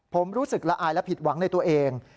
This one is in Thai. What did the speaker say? ผมรู้สึกละอายและผิดหวังในตัวเอง